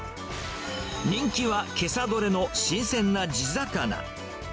人気はけさ取れの新鮮な地魚。